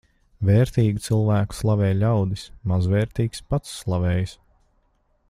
Vērtīgu cilvēku slavē ļaudis, mazvērtīgs pats slavējas.